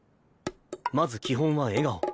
まず基本は笑顔。